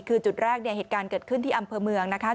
คือจุดแรกเนี่ยเหตุการณ์เกิดขึ้นที่อำเภอเมืองนะคะ